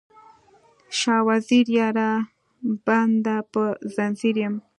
شاه وزیره یاره، بنده په ځنځیر یم